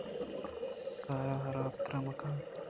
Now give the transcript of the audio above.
کاراں حراب تِر مہ کنت